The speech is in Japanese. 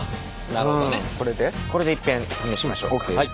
これでいっぺん試しましょうか。